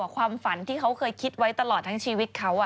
ความฝันที่เขาเคยคิดไว้ตลอดทั้งชีวิตเขา